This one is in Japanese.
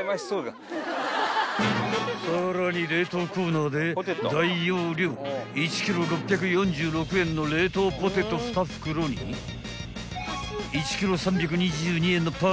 ［さらに冷凍コーナーで大容量１ｋｇ６４６円の冷凍ポテト２袋に１ｋｇ３２２円のパスタ］